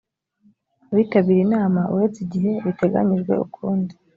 bitabiriye inama uretse igihe biteganyijwe ukundi